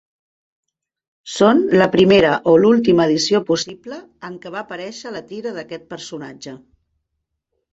són la primera o l'última edició possible en què va aparèixer la tira d'aquest personatge.